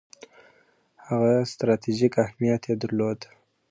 هغه ستراتیژیک اهمیت یې درلود.